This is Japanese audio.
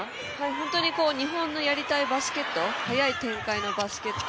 本当に日本のやりたいバスケット速い展開のバスケット。